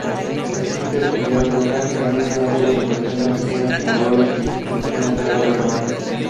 Existe actividad volcánica mínima, sólo se presentan pequeñas fumarolas y expulsiones de agua termal.